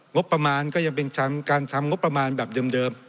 งบประมาณก็ยังเป็นการทำงบประมาณแบบเดิม